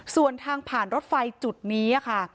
ส่วนทางผ่านรถไฟจุดนี้ค่ะ